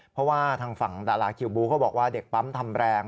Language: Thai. เพราะว่าทางฝั่งดาราคิวบูเขาบอกว่าเด็กปั๊มทำแรง